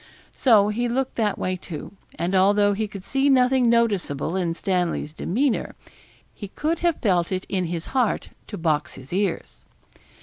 So he looked that way too; and although he could see nothing noticeable in Stanley's demeanour, he could have felt it in his heart to box his ears.